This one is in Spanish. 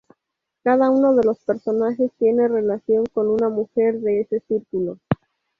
Cada uno de los personajes tiene relación con una mujer de ese círculo.